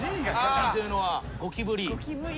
Ｇというのはゴキブリ？